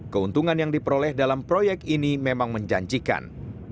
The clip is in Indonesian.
keuntungan yang diperoleh dalam proyek ini memang menjanjikan